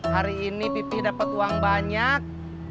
hari ini pipih dapat uang banyak